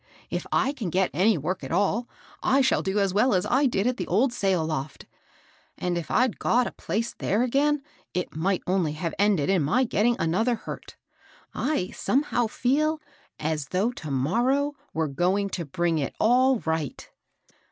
" If I can get any work at all, I shall do as well as I did at the old sail loft ; and if I'd got a place there again, it might only have ended in my getting another hurt. THE FIRST FLOOR LODGER. 275 I someliow feel as though to morrow were going to bring it all right."